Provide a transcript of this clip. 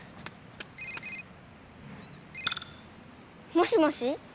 もしもし。